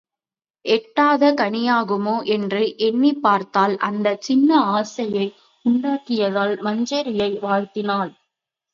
எட்டாத கனியாகுமோ என்றும் எண்ணிப் பார்த்தாள் அந்தச் சின்ன ஆசையை உண்டாக்கியதால் மஞ்சரியை வாழ்த்தினாள்.